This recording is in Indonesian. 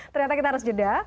ternyata kita harus jeda